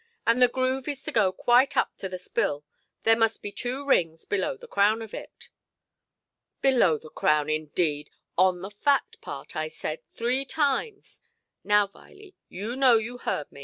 And the groove is to go quite up to the spill; there must be two rings below the crown of it". "Below the crown, indeed! On the fat part, I said three times. Now, Viley, you know you heard me".